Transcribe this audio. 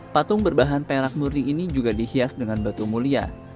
patung berbahan perak murni ini juga dihias dengan batu mulia